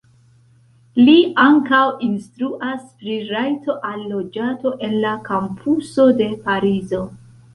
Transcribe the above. Li ankaŭ instruas pri rajto al loĝado en la kampuso de Parizo.